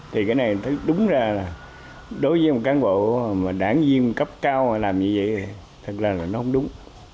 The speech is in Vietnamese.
thì cái này đúng ra là đối với một cán bộ mà đảng viên cấp cao mà làm như vậy thật là nó không đúng